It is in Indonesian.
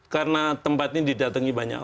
karena tempat ini didatangi banyak